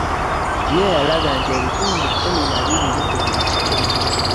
Yo yalaga nti ebitundu kkumi na bibiri ku buli kikumi